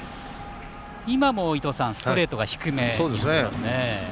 今もストレートが低めにいっていますね。